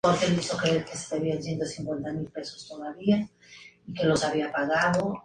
A. Giorgi.